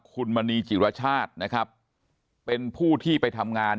คุณมณีจิรชาตินะครับเป็นผู้ที่ไปทำงาน